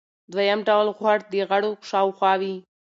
دویم ډول غوړ د غړو شاوخوا وي.